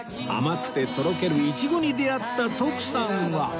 甘くてとろけるイチゴに出会った徳さんは